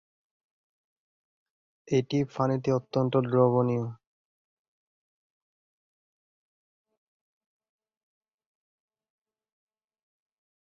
এটি পানিতে অত্যন্ত দ্রবণীয়।